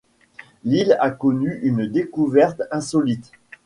L'île a connu une découverte insolite.